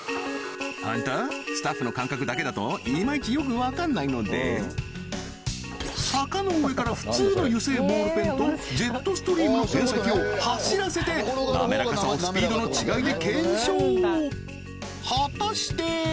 スタッフの感覚だけだといまいちよく分かんないので坂の上から普通の油性ボールペンとジェットストリームのペン先を走らせてなめらかさをスピードの違いで検証果たして！？